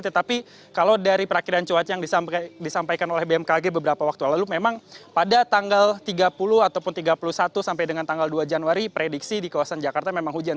tetapi kalau dari perakhiran cuaca yang disampaikan oleh bmkg beberapa waktu lalu memang pada tanggal tiga puluh ataupun tiga puluh satu sampai dengan tanggal dua januari prediksi di kawasan jakarta memang hujan